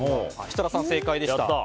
設楽さん、正解でした。